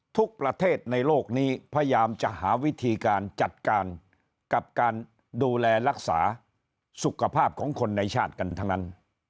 ทุกประเทศในโลกนี้พยายามจะหาวิธีการจัดการกับการดูแลรักษาสุขภาพของคนในชาติกันทั้งนั้น